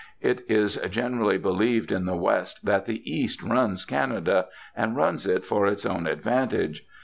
It is generally believed in the West that the East runs Canada, and runs it for its own advantage.